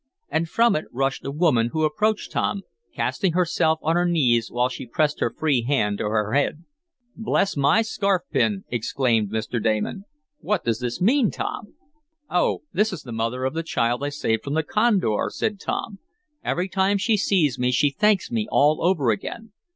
And from it rushed a woman, who approached Tom, casting herself on her knees, while she pressed his free hand to her head. "Bless my scarf pin!" exclaimed Mr. Damon. "What does this mean, Tom?" "Oh, this is the mother of the child I saved from the condor," said Tom. "Every time she sees me she thanks me all over again.